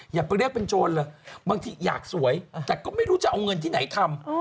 อย่าไปเรียกเป็นโจรเลยบางทีอยากสวยแต่ก็ไม่รู้จะเอาเงินที่ไหนทำ